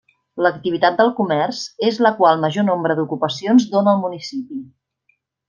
L'activitat del comerç és la qual major nombre d'ocupacions dóna al municipi.